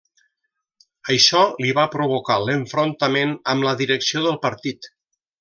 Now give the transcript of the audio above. Això li va provocar l'enfrontament amb la direcció del partit.